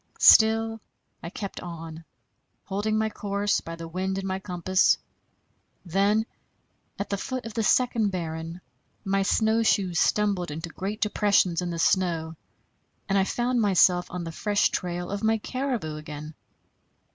Still I kept on, holding my course by the wind and my compass. Then, at the foot of the second barren, my snowshoes stumbled into great depressions in the snow, and I found myself on the fresh trail of my caribou again.